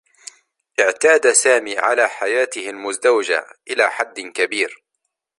اعتاد سامي على حياته المزدوجة إلى حدّ كبير.